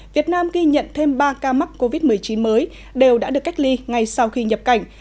việt nam ghi nhận thêm ba ca mắc covid một mươi chín mới đều đã được cách ly ngay sau khi nhập cảnh